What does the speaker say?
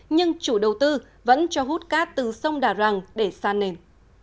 nhưng chủ đầu tư vẫn cho hút cát từ sông đà răng để san nền